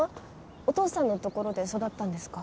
お父さんのところで育ったんですか？